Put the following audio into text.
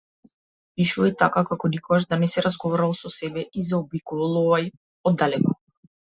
Пишувај така, како никогаш да не си разговарал со себе и заобиколувај оддалеку.